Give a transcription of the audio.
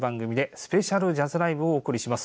スペシャルジャズライブをお送りします。